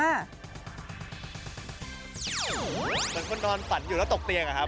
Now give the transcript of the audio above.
เหมือนคนนอนฝันอยู่แล้วตกเตียงอะครับ